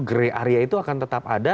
grey area itu akan tetap ada